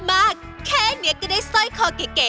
มากแค่เนี่ยก็ได้ซ่อยคอเก๋